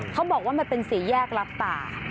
เขาบอกว่ามันเป็นสี่แยกรับตา